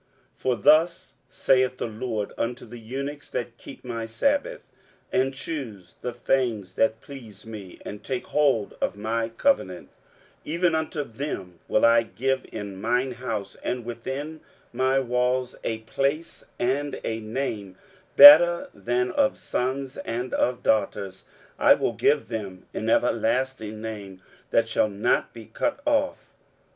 23:056:004 For thus saith the LORD unto the eunuchs that keep my sabbaths, and choose the things that please me, and take hold of my covenant; 23:056:005 Even unto them will I give in mine house and within my walls a place and a name better than of sons and of daughters: I will give them an everlasting name, that shall not be cut off.